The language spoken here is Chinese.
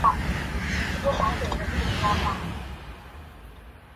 后复兴社改为军事委员会调查统计局。